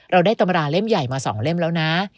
เราได้ตำราเล่มใหญ่มา๒เล่มแล้วนะ